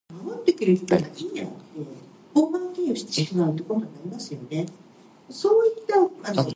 It is headed by the Bishop of Southwell and Nottingham.